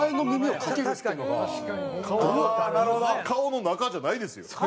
顔の中じゃないですよ。